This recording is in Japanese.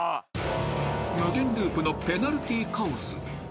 ［無限ループのペナルティーカオス］